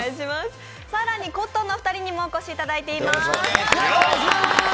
更にコットンのお二人にもお越しいただいています。